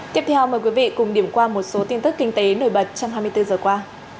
tiếp theo mời quý vị cùng điểm qua một số tin tức kinh tế nổi bật trong hai mươi bốn giờ qua